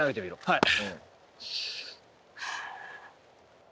はい。